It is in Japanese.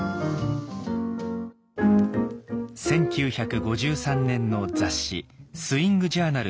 １９５３年の雑誌「スイングジャーナル」